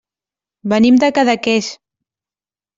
Venim de Cadaqués.